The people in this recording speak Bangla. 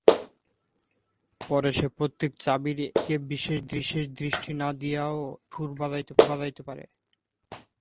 পরে সে প্রত্যেক চাবির দিকে বিশেষ দৃষ্টি না দিয়াও একটি সুর বাজাইতে পারে।